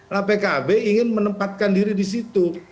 karena pkb ingin menempatkan diri di situ